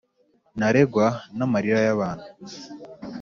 ntarengwa n'amarira y'abantu!